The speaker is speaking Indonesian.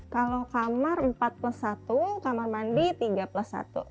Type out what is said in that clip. kalau kamar empat plus satu kamar mandi tiga plus satu